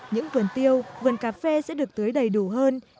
những vườn tiêu vườn cà phê sẽ được tưới đầy đủ hơn